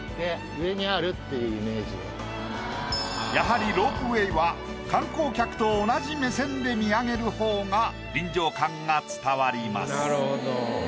やはりロープウェイは観光客と同じ目線で見上げるほうが臨場感が伝わります。